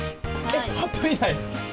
８分以内？